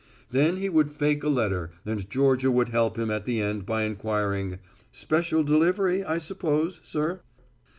Then he would fake a letter and Georgia would help him at the end by inquiring, "Special delivery, I suppose, sir?"